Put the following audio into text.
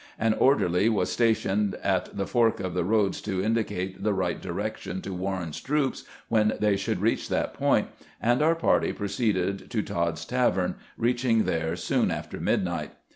An orderly was stationed at the fork of the roads to indicate the right direction to Warren's troops when they should reach that point, and our party proceeded to Todd's tavern, reaching there soon after midnight.